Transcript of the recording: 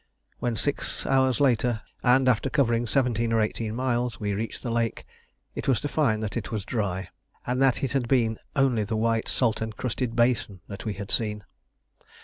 When six hours later, and after covering seventeen or eighteen miles, we reached the lake, it was to find that it was dry, and that it had been only the white salt encrusted basin that we had seen.